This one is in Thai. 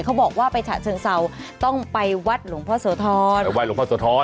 เขาบอกว่าไปฉะเชิงเซาต้องไปวัดหลวงพ่อสวทรไปวัดหลวงพ่อสวทร